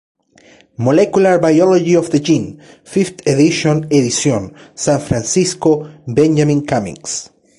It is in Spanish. Molecular Biology of the Gene, Fifth edition edición, San Francisco: Benjamin Cummings.